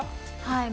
はい。